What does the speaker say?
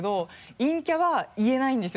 陰キャは言えないんですよ